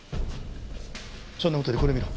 そんな事よりこれ見ろ。